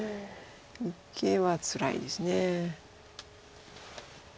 受けはつらいです。